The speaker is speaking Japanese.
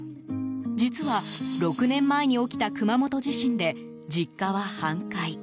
実は、６年前に起きた熊本地震で実家は半壊。